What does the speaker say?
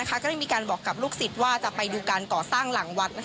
ก็ได้มีการบอกกับลูกศิษย์ว่าจะไปดูการก่อสร้างหลังวัด